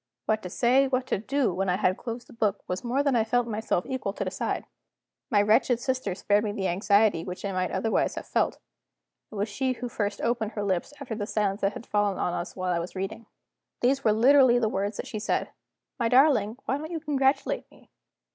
What to say, what to do, when I had closed the book, was more than I felt myself equal to decide. My wretched sister spared me the anxiety which I might otherwise have felt. It was she who first opened her lips, after the silence that had fallen on us while I was reading. These were literally the words that she said: "My darling, why don't you congratulate me?"